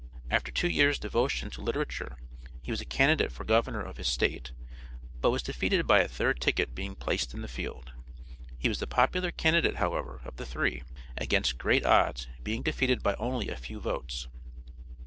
After two years devotion to literature he was a candidate for governor of his State, but was defeated by a third ticket being placed in the field. He was the popular candidate, however, of the three, against great odds being defeated by only a few votes.